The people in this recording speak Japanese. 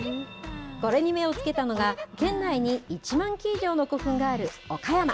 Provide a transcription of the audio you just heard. これに目をつけたのが、県内に１万基以上の古墳がある岡山。